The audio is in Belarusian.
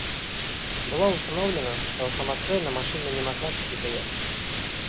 Было ўстаноўлена, што самастойна машына не магла туды заехаць.